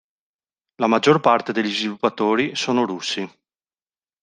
La maggior parte degli sviluppatori sono russi.